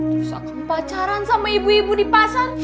terus aku pacaran sama ibu ibu di pasar